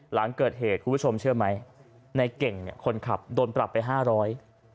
หลังเกิดเหตุครูพฤชมเชื่อมั้ยในเก่งคนขับโดนปรับไปห้าร้อย